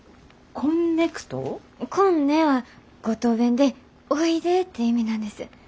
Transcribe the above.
「こんね」は五島弁でおいでって意味なんです。